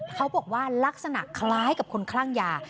เขาบอกว่าลักษณะคล้ายกับคนคลั่งยา